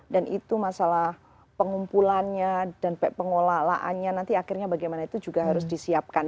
dan itu masalah pengumpulannya dan pengelolaannya nanti akhirnya bagaimana itu juga harus disiapkan